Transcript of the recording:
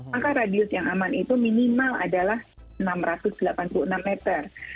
maka radius yang aman itu minimal adalah enam ratus delapan puluh enam meter